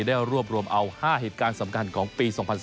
ได้รวบรวมเอา๕เหตุการณ์สำคัญของปี๒๐๑๙